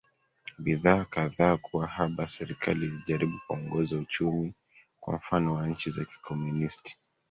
bidhaa kadhaa kuwa haba serikali ilijaribu kuongoza uchumi kwa mfano wa nchi za kikomunisti